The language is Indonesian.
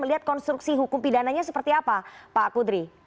melihat konstruksi hukum pidananya seperti apa pak kudri